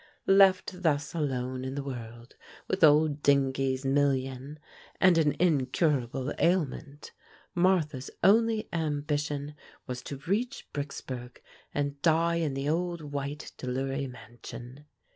Left thus alone in the world with old Dingee's million and an incurable ailment, Martha's only ambition was to reach Bricksburg and die in the old white Delury mansion.